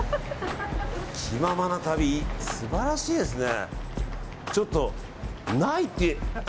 気ままな旅、素晴らしいですね。